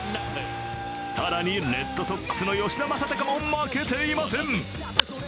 更に、レッドソックスの吉田正尚も負けていません。